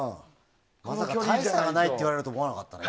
大差がないって言われると思わなかった。